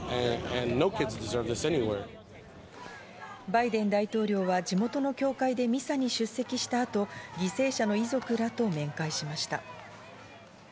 バイデン大統領は地元の教会でミサに出席した後、犠牲者の遺族らと面会しました。